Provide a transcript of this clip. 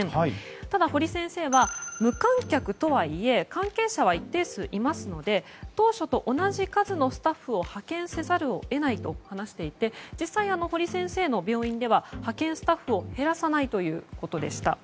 ただ、堀先生は無観客とはいえ関係者は一定数いますので当初と同じ数のスタッフを派遣せざるを得ないと話していて実際、堀先生の病院では派遣スタッフを減らさないということでした。